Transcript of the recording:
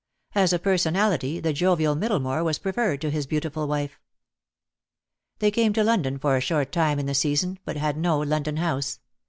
As a personality the jovial Middlemore was preferred to his beautiful wife. They came to London for a short time in the season, but had no London house.